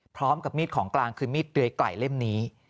พร้อมกับมีดของกลางคือมีดเดยไกล่เล่มนี้